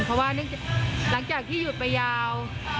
เพราะว่าหลังจากที่หยุดไปยาว